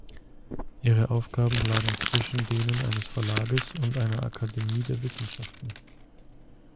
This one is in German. Ihre Aufgaben lagen zwischen denen eines Verlages und einer Akademie der Wissenschaften.